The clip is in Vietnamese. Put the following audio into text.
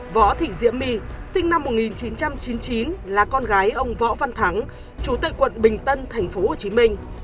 võ thị diễm my sinh năm một nghìn chín trăm chín mươi chín là con gái ông võ văn thắng chủ tệ quận bình tân tp hcm